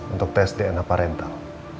untuk tes dna parental